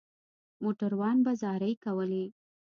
موټروان به زارۍ کولې.